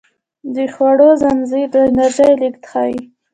د خوړو زنځیر د انرژۍ لیږد ښيي